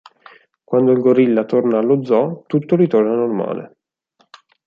Quando il gorilla torna allo zoo tutto ritorna normale.